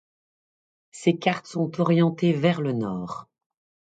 Ses cartes sont orientées vers le nord.